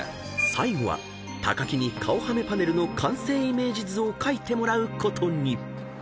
［最後は木に顔はめパネルの完成イメージ図を描いてもらうことに］